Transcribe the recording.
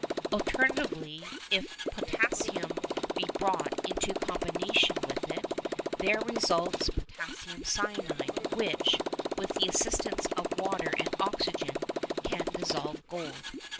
Alternatively, if potassium be brought into combination with it, there results potassium cyanide, which, with the assistance of water and oxygen, can dissolve gold.